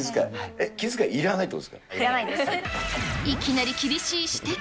いきなり厳しい指摘。